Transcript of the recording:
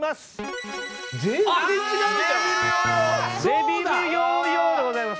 デビルヨーヨーでございます。